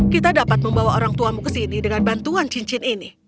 kita dapat membawa orang tuamu ke sini dengan bantuan cincin ini